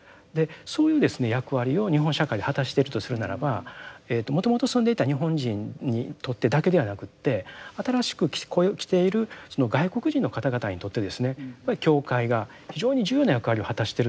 そういうですね役割を日本社会で果たしているとするならばもともと住んでいた日本人にとってだけではなくて新しく来ているその外国人の方々にとってですねやっぱり教会が非常に重要な役割を果たしているということをですね